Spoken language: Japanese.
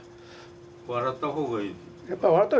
笑った方がいい？